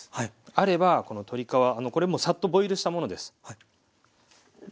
あればこの鶏皮これもうサッとボイルしたものです。